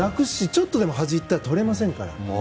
ちょっとでも端に行ったらとれませんから。